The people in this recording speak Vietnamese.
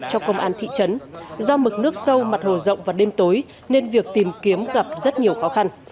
cho công an thị trấn do mực nước sâu mặt hồ rộng và đêm tối nên việc tìm kiếm gặp rất nhiều khó khăn